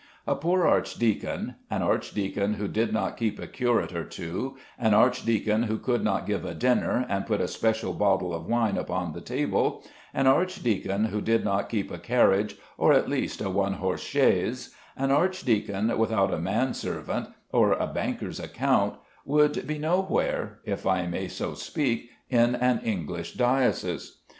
A poor archdeacon, an archdeacon who did not keep a curate or two, an archdeacon who could not give a dinner and put a special bottle of wine upon the table, an archdeacon who did not keep a carriage, or at least a one horse chaise, an archdeacon without a man servant, or a banker's account, would be nowhere, if I may so speak, in an English diocese.